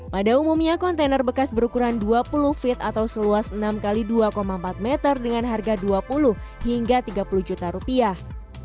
pada umumnya kontainer bekas berukuran dua puluh feet atau seluas enam x dua empat meter dengan harga dua puluh hingga tiga puluh juta rupiah